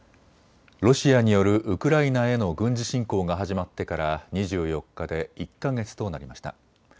ロシアによるウクライナへの軍事侵攻が始まってから２４日で１か月となりました。